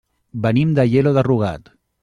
Venim d'Aielo de Rugat.